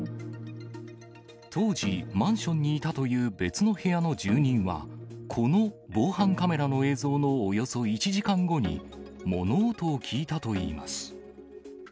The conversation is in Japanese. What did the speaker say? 当時、マンションにいたという別の部屋の住人は、この防犯カメラの映像のおよそ１時間後に、物音を聞いたといいます。